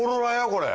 これ。